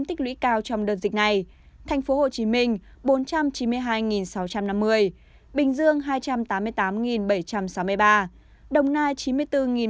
thành phố hồ chí minh bốn trăm chín mươi hai sáu trăm năm mươi bình dương hai trăm tám mươi tám bảy trăm sáu mươi ba đồng nai chín mươi bốn một trăm chín mươi hai tây ninh sáu mươi hai một trăm ba mươi hai lòng an ba mươi chín năm trăm ba mươi bảy